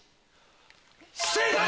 正解！